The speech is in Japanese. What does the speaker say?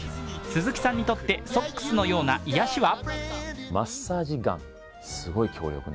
鈴木さんにとって、ソックスのような癒やしは？